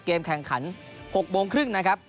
แข่งขัน๖โมงครึ่งนะครับ